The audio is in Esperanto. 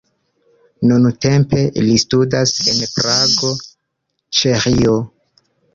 Nuntempe li studas en Prago, Ĉeĥio.